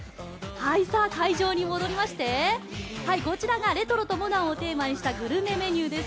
会場に戻りまして、こちらがレトロとモダンをテーマにしたグルメメニューです。